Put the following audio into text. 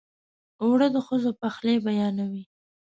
اوړه د ښځو پخلی بیانوي